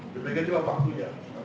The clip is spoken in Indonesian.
seperti yang pak anang pakar melihat tadi